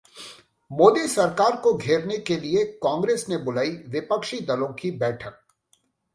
मोदी सरकार को घेरने के लिए कांग्रेस ने बुलाई विपक्षी दलों की बैठक